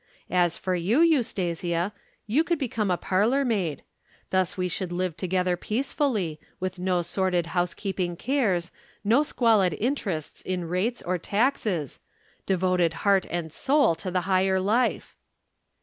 As for you, Eustasia, you could become a parlor maid. Thus we should live together peacefully, with no sordid housekeeping cares, no squalid interests in rates or taxes, devoted heart and soul to the higher life.'